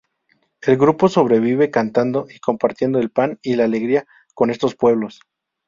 El grupo sobrevive cantando y compartiendo el pan y la alegría con estos pueblos.